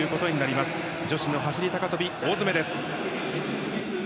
女子の走り高跳び、大詰めです。